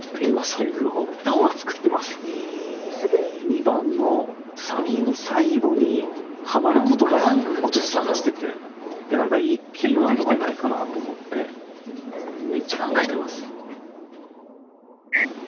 ２番のサビの最後にハマる言葉をちょっと探しててでなんかいいキーワードないかなと思ってめっちゃ考えてます。